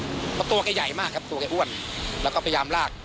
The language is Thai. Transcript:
เพราะตัวแกใหญ่มากครับตัวแกอ้วนแล้วก็พยายามลาก